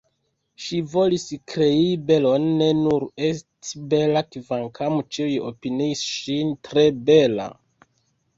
Ŝi volis krei belon, ne nur esti bela kvankam ĉiuj opiniis ŝin tre bela.